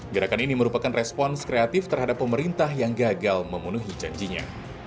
gerakan ini merupakan respons kreatif terhadap pemerintah yang gagal memenuhi janjinya